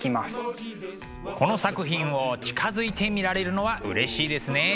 この作品を近づいて見られるのはうれしいですね。